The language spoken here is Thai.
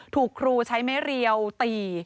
ถูกครูใช้ไม่เรียวตี